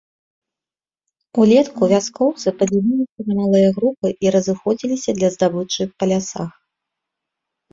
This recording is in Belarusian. Улетку вяскоўцы падзяляліся на малыя групы і разыходзіліся для здабычы па лясах.